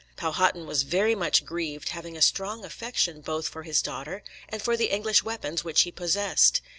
Powhatan was "very much grieved," having a strong affection both for his daughter and for the English weapons which he possessed.